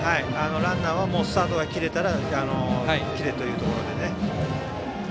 ランナーはスタートを切れたら切るというところで。